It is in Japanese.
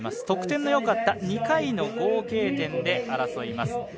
得点のよかった２回の合計点で争います。